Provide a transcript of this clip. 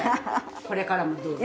これからもどうぞ。